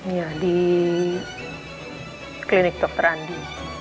iya di klinik dokter andi